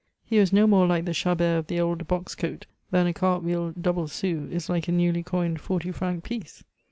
He was no more like the Chabert of the old box coat than a cartwheel double sou is like a newly coined forty franc piece.